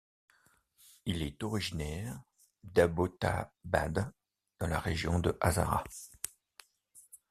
Il est originaire d'Abbottabad, dans la région de Hazara.